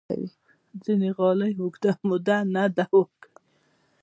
ځینې غالۍ اوږده موده نه دوام کوي.